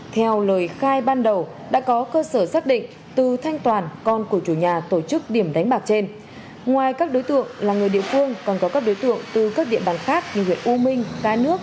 theo lời khai ban đầu đã có cơ sở xác định từ thanh toàn con của chủ nhà tổ chức điểm đánh bạc trên ngoài các đối tượng là người địa phương còn có các đối tượng từ các địa bàn khác như huyện u minh cái nước